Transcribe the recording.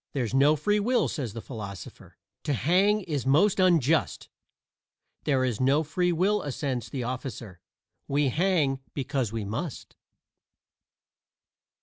"There's no free will," says the philosopher; "To hang is most unjust." "There is no free will," assents the officer; "We hang because we must."